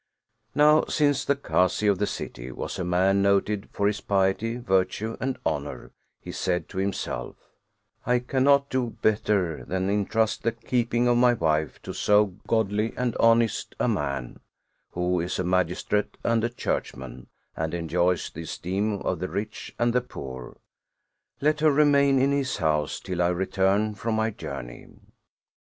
Now since the Kazi of the city was a man noted for his piety, virtue, and honor, he said to himself: " I cannot do better than intrust the keeping of my wife to so godly and honest a man, who is a magistrate and a churchman, and enjoys the esteem of the rich and the poor; let her remain in his house till I return from my journey."